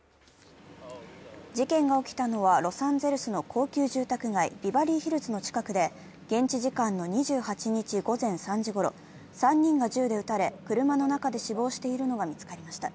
事件が起きたのは、ロサンゼルスの高級住宅街、ビバリーヒルズの近くで、現地時間の２８日午前３時ごろ、３人が銃で撃たれ、車の中で死亡しているのが見つかりました。